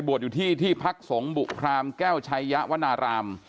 บวชอยู่ที่ที่พักสงบุคลามแก้วชัยะวนาราม